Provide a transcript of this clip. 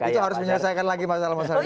itu harus menyelesaikan lagi masalah masalah ini